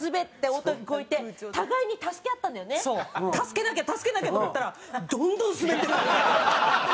助けなきゃ助けなきゃと思ったらどんどんスベっていくんですよ。